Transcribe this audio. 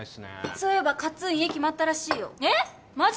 そういえばカッツン家決まったらしいよえっマジ？